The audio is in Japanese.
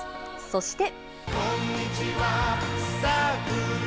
そして。